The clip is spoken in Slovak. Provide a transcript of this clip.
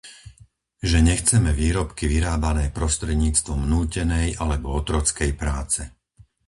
Že nechceme výrobky vyrábané prostredníctvom nútenej alebo otrockej práce!